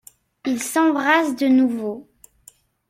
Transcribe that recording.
Ils s’embrassent de nouveau.